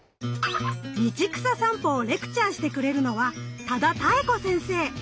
道草さんぽをレクチャーしてくれるのは多田多恵子先生。